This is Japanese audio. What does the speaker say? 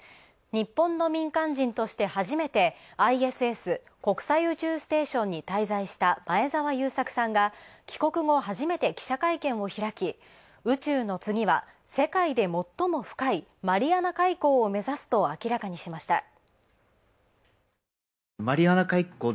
日本の民間人として初めてＩＳＳ＝国際宇宙ステーションに滞在した前澤友作さんが、帰国後、初めて記者会見を開き、宇宙の次は世界で最も深いマリアナ海溝を目指すと明らかにしました。